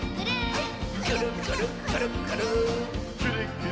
はい！